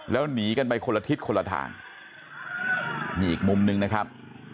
แล้วหนีกันไปคนละทิศคนละทางนี่อีกมุมนึงนะครับ